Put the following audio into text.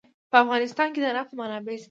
په افغانستان کې د نفت منابع شته.